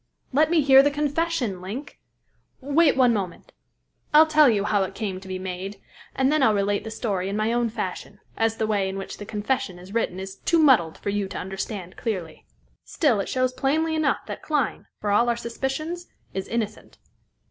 "Let me hear the confession, Link!" "Wait one moment. I'll tell you how it came to be made, and then I'll relate the story in my own fashion, as the way in which the confession is written is too muddled for you to understand clearly. Still, it shows plainly enough that Clyne, for all our suspicions, is innocent."